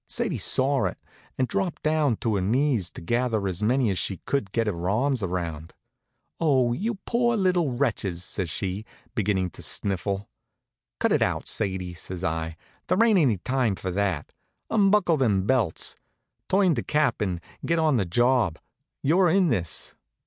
Sadie saw it, and dropped down on her knees to gather in as many as she could get her arms around. "Oh, you poor little wretches!" says she, beginnin' to sniffle. "Cut it out, Sadie!" says I. "There ain't any time for that. Unbuckle them belts. Turn to, Cap, and get on the job. You're in this."